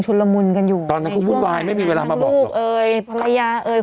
ชุดละมุนกันอยู่ตอนนั้นพูดวายไม่มีเวลามาบอกทั้งลูกเอ๋ยภรรยาเอ๋ย